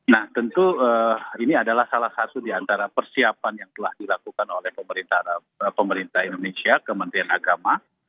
nah tentu ini adalah salah satu di antara persiapan yang telah dilakukan oleh pemerintah indonesia kementerian agama